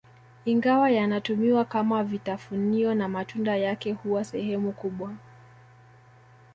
Ingawa yanatumiwa kama vitafunio na matunda yake huwa sehemu kubwa